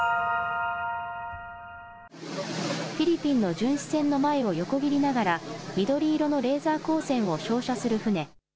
フィリピンの巡視船の前を横切りながら緑色のレーザー光線を照射する船。